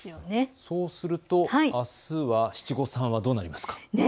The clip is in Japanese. そうすると、あすはどうなりますか。